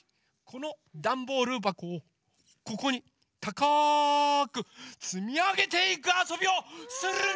このダンボールばこをここにたかくつみあげていくあそびをするんジャー！